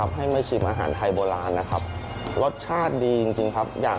สมัยนี้ไทยโบราณมันหาทานยาก